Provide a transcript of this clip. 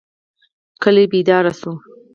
کلی بیدار شو.